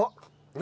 何？